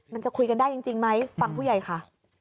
มันจะคุยกันได้จริงไหมฟังผู้ใหญ่ค่ะ